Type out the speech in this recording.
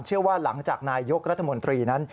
เชื่อว่าหลังจากนายยกรัฐมนตรีนั้น